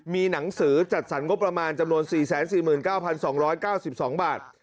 มีหนังสือจัดสรรงบประมาณจำนวน๔๔๙๒๙๒บาท